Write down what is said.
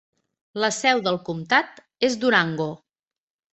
La seu del comtat és Durango.